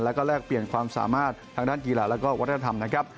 แล้วก็แลกเปลี่ยนความสามารถทางด้านกีฬาและก็วัฒนธรรมนะครับ